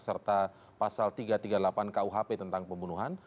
serta pasal tiga ratus tiga puluh delapan kuhp tentang pembunuhan